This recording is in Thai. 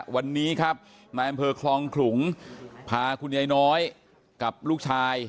วันนี้ครับนายอำเภอคลองขลุงพาคุณยายน้อยกับลูกชาย